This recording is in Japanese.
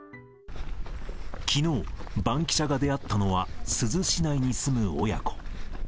きのう、バンキシャが出会ったのは、珠洲市内に住む親子。